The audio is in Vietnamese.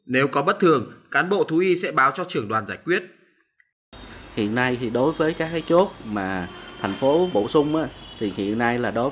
nếu có bất thường cán bộ thú y sẽ báo